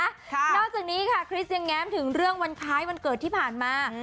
นอกจากนี้ค่ะคริสยังแง้มถึงเรื่องวันคล้ายวันเกิดที่ผ่านมา